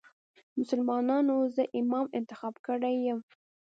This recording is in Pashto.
مسلمانانو زه امام انتخاب کړی یم.